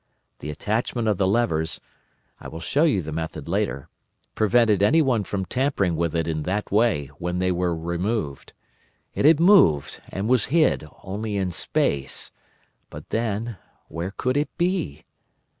The attachment of the levers—I will show you the method later—prevented anyone from tampering with it in that way when they were removed. It had moved, and was hid, only in space. But then, where could it be?